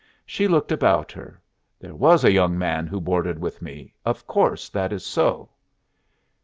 She looked about her. "There was a young man who boarded with me. Of course that is so."